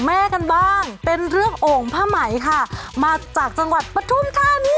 แม่กันบ้างเป็นเรื่องโอ่งผ้าไหมค่ะมาจากจังหวัดปทุมธานี